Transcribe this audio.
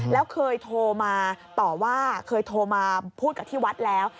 แล้วเคยโทรมาต่อว่าเคยโทรมาพูดกับที่วัดแล้ว